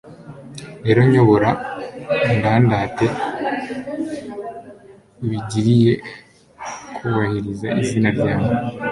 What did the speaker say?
rero nyobora, undandate ubigiriye kubahiriza izina ryawe